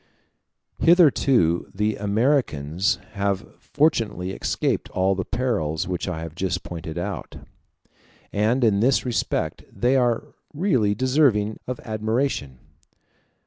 Hitherto the Americans have fortunately escaped all the perils which I have just pointed out; and in this respect they are really deserving of admiration.